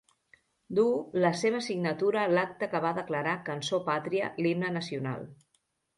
Duu la seva signatura l'acta que va declarar cançó pàtria l'Himne Nacional.